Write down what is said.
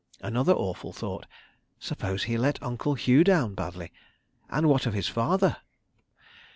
... Another awful thought—suppose he let Uncle Hugh down badly. ... And what of his father?